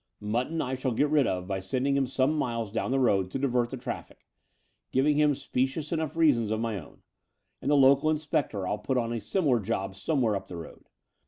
Mutton I shall get rid of by sending him some miles down the road to divert the traffic, giving him specious enough reasons of my own; and the local inspector I'll put on a similar job somewhere up the road.